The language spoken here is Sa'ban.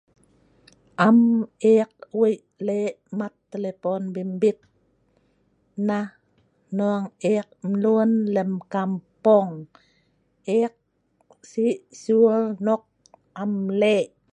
Am ek Wei le mat telpon bimbit. Nong eek m lun lem kampung.si sul nok am le.